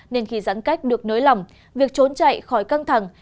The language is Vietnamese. nên khi giãn cách được nới lỏng việc trốn chạy khỏi căng thẳng